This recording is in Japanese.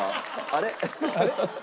あれ？